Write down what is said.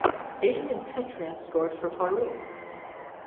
Adrian Petre scored for Farul.